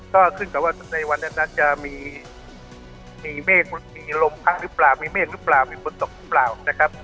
ก็ขึ้นกับว่าในวันนั้นจะมีเมฆมีลมพัดหรือเปล่ามีเมฆหรือเปล่ามีฝนตกหรือเปล่านะครับ